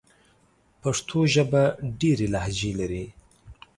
پښتو ژبه ډېري لهجې لري.